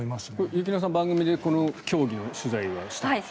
雪乃さん、番組でこの競技の取材はしたんですか？